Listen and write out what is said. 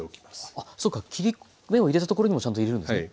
あっそうか切り目を入れたところにもちゃんと入れるんですね？